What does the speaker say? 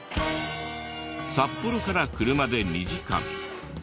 札幌から車で２時間伊達市。